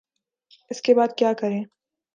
اس کے بعد کیا کریں؟